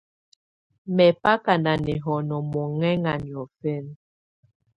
Mɛbaka nà nɛhɔnɔ mɔhɛŋa niɔ̀fɛna.